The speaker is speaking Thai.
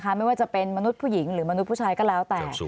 ไม่ว่าจะเป็นมนุษย์ผู้หญิงหรือมนุษย์ผู้ชายก็แล้วแต่